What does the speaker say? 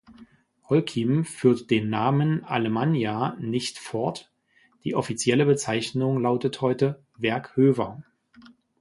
Holcim führt den Namen "Alemannia" nicht fort, die offizielle Bezeichnung lautet heute "Werk Höver".